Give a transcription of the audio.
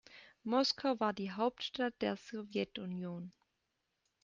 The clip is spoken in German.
Moskau war die Hauptstadt der Sowjetunion.